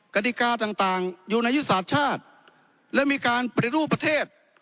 กฎิกาต่างอยู่ในยุทธศาสตร์ชาติและมีการปฏิรูปประเทศ